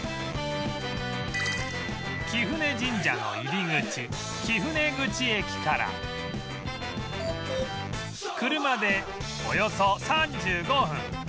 貴船神社の入り口貴船口駅から車でおよそ３５分